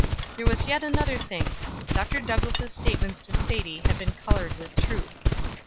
There was yet another thing Dr. Douglass' statements to Sadie had been colored with truth.